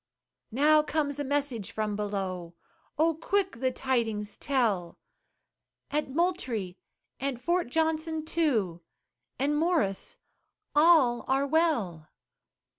Now comes a message from below Oh quick the tidings tell "At Moultrie and Fort Johnson, too, And Morris, all are well!"